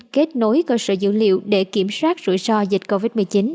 kết nối cơ sở dữ liệu để kiểm soát rủi ro dịch covid một mươi chín